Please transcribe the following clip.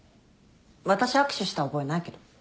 私握手した覚えないけど。